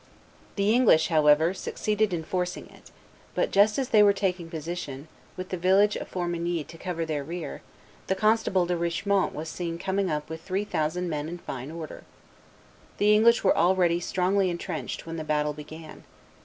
The English, however, succeeded in forcing it; but just as they were taking position, with the village of Formigny to cover their rear, the constable De Richemont was seen coming up with three thousand men in fine order. The English were already strongly intrenched, when the battle began.